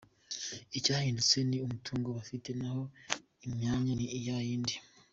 Icyahindutse ni imitungo bafite naho imyanya ni ya yindi.